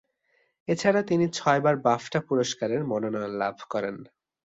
এছাড়া তিনি ছয়বার বাফটা পুরস্কারের মনোনয়ন লাভ করেন।